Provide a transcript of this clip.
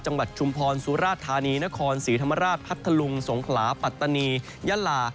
ชุมพรสุราธานีนครศรีธรรมราชพัทธลุงสงขลาปัตตานียะลา